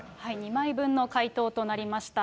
２枚分の回答となりました。